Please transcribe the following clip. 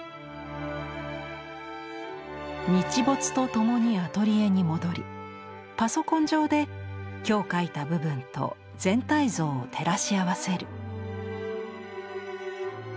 日没とともにアトリエに戻りパソコン上で今日描いた部分と全体像を照らし合わせる。